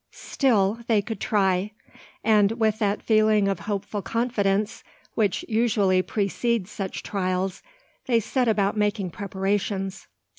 Still they could try; and with that feeling of hopeful confidence which usually precedes such trials, they set about making preparations.